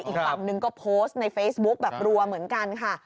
อีกฝั่งนึงก็โพสต์ในเฟซบุ๊คแบบรัวเหมือนกันค่ะ